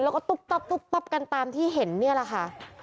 แล้วก็ตุ๊บกันตามที่เห็นเนี่ยแหละค่ะ